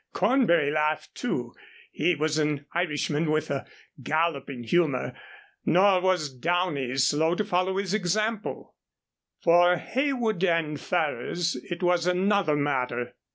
Cornbury laughed, too. He was an Irishman with a galloping humor; nor was Downey slow to follow his example. For Heywood and Ferrers it was another matter.